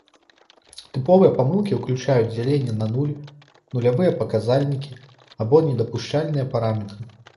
Тыповыя памылкі ўключаюць дзяленне на нуль, нулявыя паказальнікі, або недапушчальныя параметры.